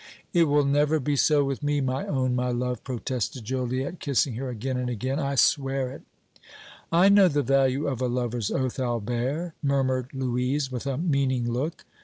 "It will never be so with me, my own, my love!" protested Joliette, kissing her again and again. "I swear it." "I know the value of a lover's oath, Albert," murmured Louise, with a meaning look.